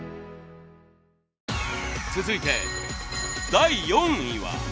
続いて第４位は。